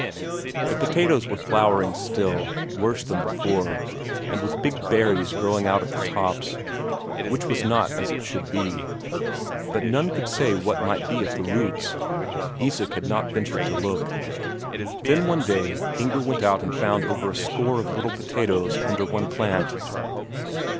The potatoes were flowering still, worse than before, and with big berries growing out at the tops, which was not as it should be; but none could say what might be at the roots Isak had not ventured to look. Then one day Inger went out and found over a score of little potatoes under one plant.